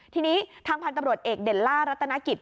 ทีนี้ทางพันธุ์ตำรวจเอกเด่นล่ารัตนกิจ